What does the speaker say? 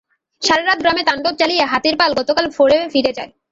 সারা রাত গ্রামে তাণ্ডব চালিয়ে হাতির পাল গতকাল ভোরে ফিরে যায়।